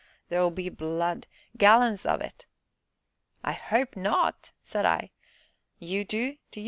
there'll be blood gallons of it!" "I hope not!" said I. "Ye do, do ye?"